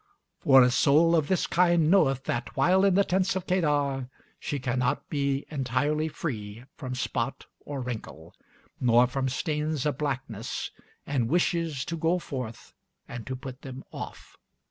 For a soul of this kind knoweth that, while in the tents of Kedar, she cannot be entirely free from spot or wrinkle, nor from stains of blackness, and wishes to go forth and to put them off.